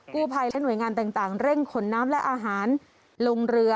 กู้ภัยและหน่วยงานต่างเร่งขนน้ำและอาหารลงเรือ